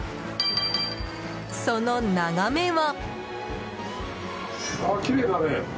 その眺めは。